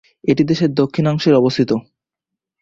এটি দেশের দক্ষিণাংশে অবস্থিত।